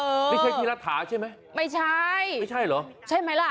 ไม่ใช่พี่รัฐาใช่ไหมไม่ใช่ไม่ใช่เหรอใช่ไหมล่ะ